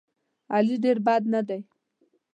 علي ډېر بد نه دی.